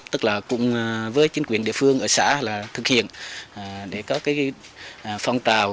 tức là cùng với chính quyền địa phương ở xã thực hiện để có cái phong tàu